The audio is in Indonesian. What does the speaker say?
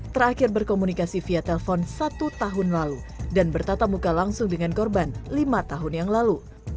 terakhir berkomunikasi via telepon satu tahun lalu dan bertata muka langsung dengan korban lima tahun yang lalu